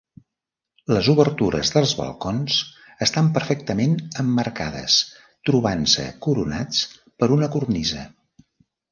Les obertures dels balcons estan perfectament emmarcades, trobant-se coronats per una cornisa.